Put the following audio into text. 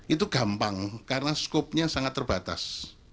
itu gampang karena skopnya sangat terbatas